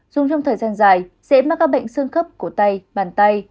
dùng trong thời gian dài dễ mắc các bệnh sương khớp của tay bàn tay